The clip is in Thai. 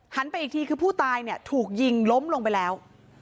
ไปอีกทีคือผู้ตายเนี่ยถูกยิงล้มลงไปแล้ว